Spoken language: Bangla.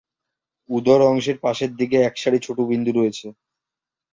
উদর অংশের পাশের দিকে এক সারি ছোট বিন্দু রয়েছে।